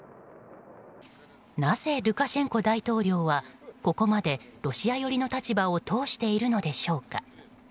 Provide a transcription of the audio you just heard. なぜ、ルカシェンコ大統領はここまでロシア寄りの立場を通しているのでしょうか。